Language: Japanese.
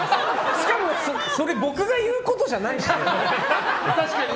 しかも僕が言うことじゃないですね。